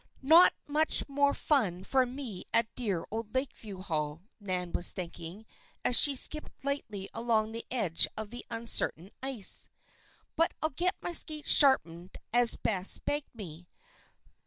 "Not much more fun for me at dear old Lakeview Hall," Nan was thinking as she skipped lightly along the edge of this uncertain ice. "But I'll get my skates sharpened, as Bess begged me.